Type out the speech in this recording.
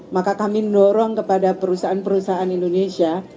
maka kami mendorong kepada perusahaan perusahaan indonesia